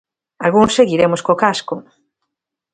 Algúns seguiremos co casco.